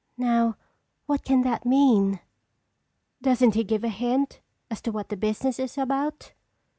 Now what can that mean?" "Doesn't he give a hint as to what the business is about?"